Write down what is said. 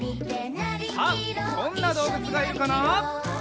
さあどんなどうぶつがいるかな？